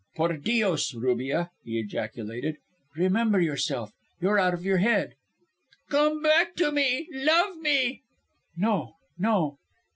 "Por Dios, Rubia," he ejaculated, "remember yourself. You are out of your head." "Come back to me; love me." "No, no."